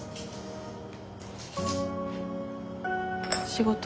仕事？